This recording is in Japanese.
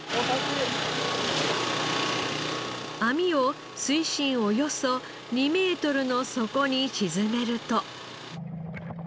網を水深およそ２メートルの底に沈めると。